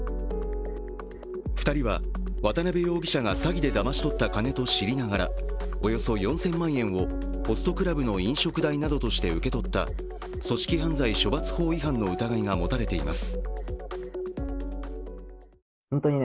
２人は渡邊容疑者が詐欺でだまし取った金と知りながらおよそ４０００万円をホストクラブの飲食代などとして受け取った組織犯罪処罰法違反の疑いが持たれています。